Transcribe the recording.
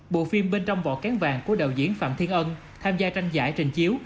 bộ phim bên trong vỏ kén vàng của đạo diễn phạm thiên ân tham gia tranh giải trình chiếu